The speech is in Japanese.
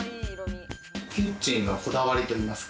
キッチンのこだわりといいますか。